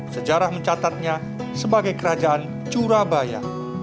sejarah mencatatnya sebagai kerajaan curabaya